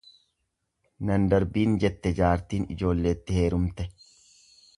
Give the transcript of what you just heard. Nan darbiin jette jaartiin ijoolleetti heerumte.